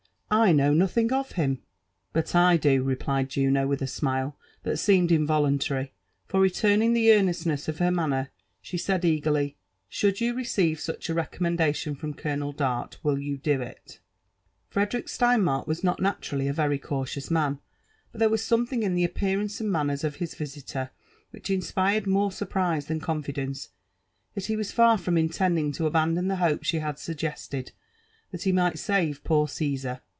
I know nothing of him." But I 60/' replied Juno With a smite that seemed involuntliry ; for, resuming the earnestness of her manner, she said eagerly, " Should yon receive such a recommendalion from Colonel Dart , wUl ynudolir Frederick Stcinmark was not naturally a vefy caulioui if^ah, 'Mt there was something in the appearance and manners of his tHiteir which inspired more surprise than conGdence ; yet he was far from intending to abandon the hope she had suggested, that he might save poor GflBsar.